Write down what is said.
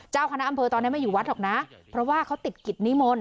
เจ้าคณะอำเภอตอนนี้ไม่อยู่วัดหรอกนะเพราะว่าเขาติดกิจนิมนต